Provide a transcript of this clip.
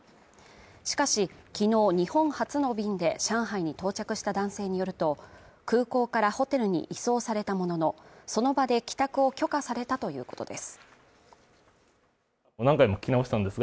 しかし昨日日本発の便で上海に到着した男性によると空港からホテルに移送されたもののその場で帰宅を許可されたということです